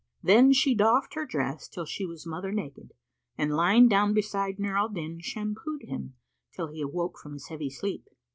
Then she doffed her dress till she was mother naked and lying down beside Nur al Din shampoo'd him till he awoke from his heavy sleep.